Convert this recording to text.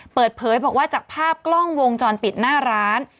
เปิดเผยบอกว่าจากภาพกล้องวงจรปิดหน้าร้าน